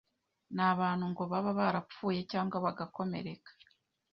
N’abantu ngo baba barapfuye cyangwa bagakomereka,